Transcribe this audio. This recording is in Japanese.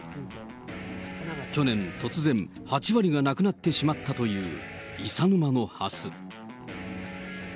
去年、突然、８割がなくなってしまったという伊佐沼のハス。